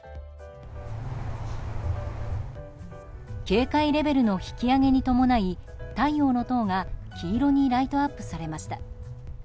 警戒レベルの引き上げに伴い太陽の塔が黄色にライトアップされました。